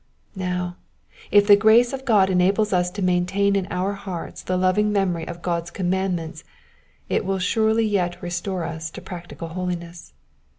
Now, if the grace of God enables us to maintain in our hearts the loving memorv of God^s commandments it will surely yet restore us to practical holiness.